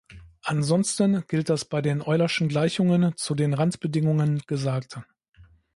Ansonsten gilt das bei den Euler’schen Gleichungen zu den Randbedingungen gesagte.